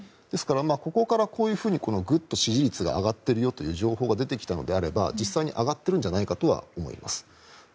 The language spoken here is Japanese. ですから、ここからこういうふうにグッと支持率が上がっているという情報が出てきたのであれば実際に上がってるんじゃないかと思います。